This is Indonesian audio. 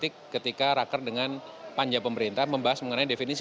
ketika rapat dengan pemerintah membahas tentang definisi